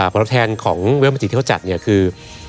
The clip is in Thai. เพราะแทนของเวลามาจีที่เขาจัดเนี่ยคือ